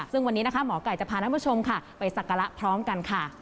ซึ่งวันนี้หมองไก่จะพานักผู้ชมไปสักกะละพร้อมกันค่ะ